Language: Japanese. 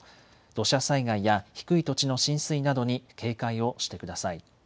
土砂災害や低い土地の浸水などに警戒をしてください。